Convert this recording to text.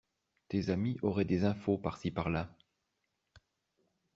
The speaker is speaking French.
Tes amis auraient des infos par ci par là…